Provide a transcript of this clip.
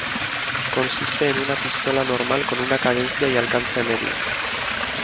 Consiste en una pistola normal con una cadencia y alcance medio.